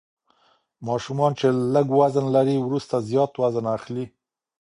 ماشومان چې لږ وزن لري وروسته زیات وزن اخلي.